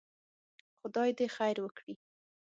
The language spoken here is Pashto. خدای دې خير وکړي.